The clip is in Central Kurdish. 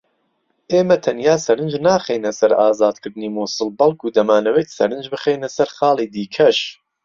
ئێمە تەنیا سەرنج ناخەینە سەر ئازادکردنی موسڵ بەڵکو دەمانەوێت سەرنج بخەینە سەر خاڵی دیکەش